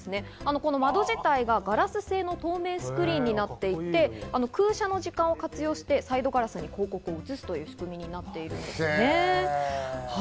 窓自体がガラス製の透明スクリーンになっていて、空車の時間を活用してサイドガラスに広告を映すという仕組みになっているんですね。